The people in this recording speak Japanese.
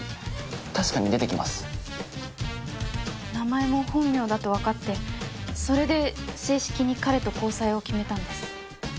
確かに出てきます名前も本名だと分かってそれで正式に彼と交際を決めたんです